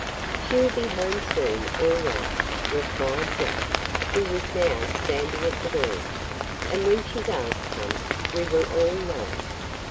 "She'll be home soon, all right," replied Jack, who was now standing at the door, "and when she does come we will all know it.